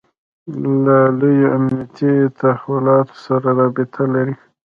له لویو امنیتي تحولاتو سره رابطه لري.